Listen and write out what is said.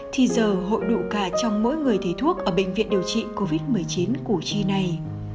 thì giờ hội đủ cả trong mỗi người thấy thuốc ở bệnh viện điều trị covid một mươi chín củ chi này